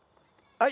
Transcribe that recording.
はい。